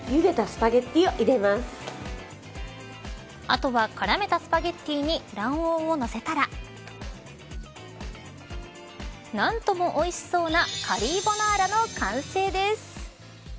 後は絡めたスパゲティに卵黄をのせたら何ともおいしそうなカリーボナーラの完成です。